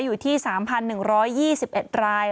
อยู่ที่๓๑๒๑ราย